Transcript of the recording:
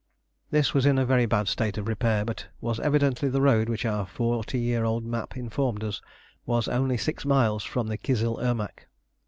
This was in a very bad state of repair, but was evidently the road which our forty year old map informed us was only six miles from the Kizil Irmak.